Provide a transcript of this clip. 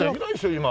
今。